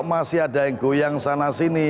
masih ada yang goyang sana sini